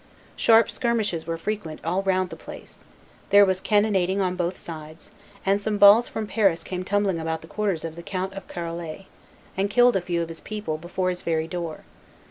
Sharp skirmishes were frequent all round the place; there was cannonading on both sides; and some balls from Paris came tumbling about the quarters of the Count of Charolais, and killed a few of his people before his very door.